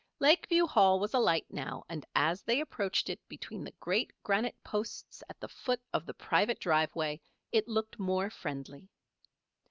Lakeview Hall was alight now, and as they approached it between the great granite posts at the foot of the private driveway it looked more friendly.